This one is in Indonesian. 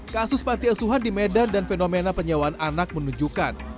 kasus panti asuhan di medan dan fenomena penyewaan anak menunjukkan